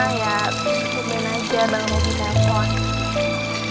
bukan aja bang mau ditaruh